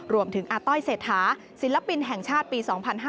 อาต้อยเศรษฐาศิลปินแห่งชาติปี๒๕๕๙